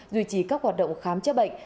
duy trì các hoạt động khám chế bệnh